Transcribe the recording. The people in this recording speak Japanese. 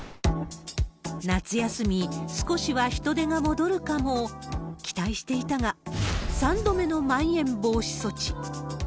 夏休み、少しは人出が戻るかも、期待していたが、３度目のまん延防止措置。